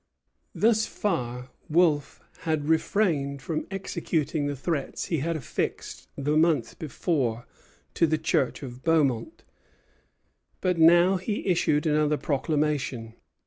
Thus far Wolfe had refrained from executing the threats he had affixed the month before to the church of Beaumont. But now he issued another proclamation.